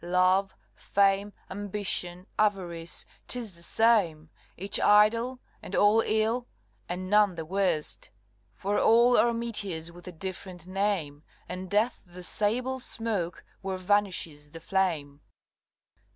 Love, fame, ambition, avarice 'tis the same Each idle, and all ill, and none the worst For all are meteors with a different name, And death the sable smoke where vanishes the flame.